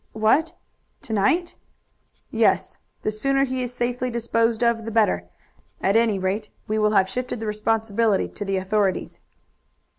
"What, to night?" "Yes; the sooner he is safely disposed of the better; at any rate we will have shifted the responsibility to the authorities."